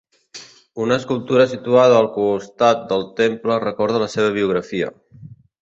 Una escultura situada al costat del temple recorda la seva biografia.